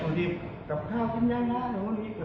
ตอนนี้กับข้าวขึ้นอย่างน้ำละ